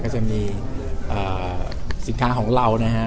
จะมีสินค้าของเรานะฮะ